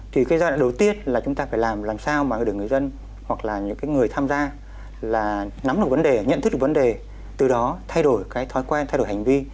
thì cái giai đoạn đầu tiên là chúng ta phải làm làm sao mà để người dân hoặc là những cái người tham gia là nắm được vấn đề nhận thức được vấn đề từ đó thay đổi cái thói quen thay đổi hành vi